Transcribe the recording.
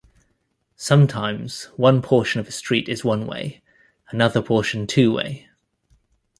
Sometimes one portion of a street is one-way, another portion two-way.